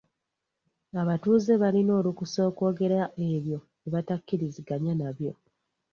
Abatuuze balina olukusa okwogera ebyo bye batakkiriziganya nabyo.